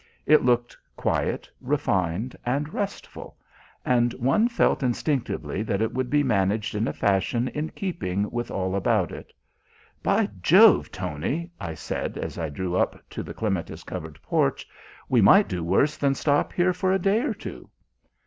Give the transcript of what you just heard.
It looked quiet, refined and restful, and one felt instinctively that it would be managed in a fashion in keeping with all about it. "By Jove, Tony!" I said, as I drew up to the clematis covered porch, "we might do worse than stop here for a day or two."